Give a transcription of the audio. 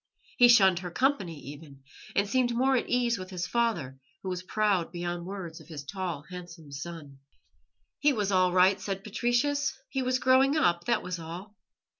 He shunned her company even, and seemed more at ease with his father, who was proud beyond words of his tall, handsome son. He was all right, said Patricius; he was growing up, that was all.